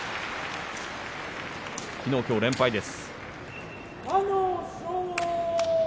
きのう、きょうと連敗です。